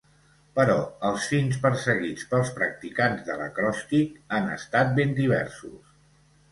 Però els fins perseguits pels practicants de l'acròstic han estat ben diversos.